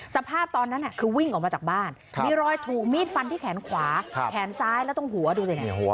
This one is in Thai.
สภาพตอนนั้นคือวิ่งออกมาจากบ้านมีรอยถูกมีดฟันที่แขนขวาแขนซ้ายแล้วตรงหัวดูสิเนี่ย